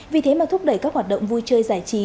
vì thế mà thúc đẩy các hoạt động vui chơi giải trí